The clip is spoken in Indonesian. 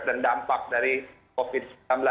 dan dampak dari covid sembilan belas